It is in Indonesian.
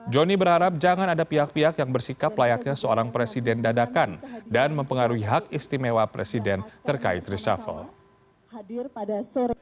joni berharap jangan ada pihak pihak yang bersikap layaknya seorang presiden dadakan dan mempengaruhi hak istimewa presiden terkait reshuffle